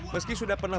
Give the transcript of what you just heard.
meski sudah pernah